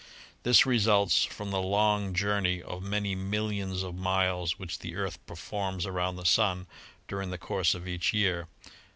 This results from the long journey PLANETARY DISTANCES 65 of many millions of miles which the Earth performs around the Sun during the course of each year.